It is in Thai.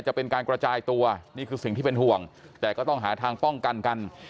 จะเป็นการกระจายตัวนี่คือสิ่งที่เป็นห่วงแต่ก็ต้องหาทางป้องกันกัน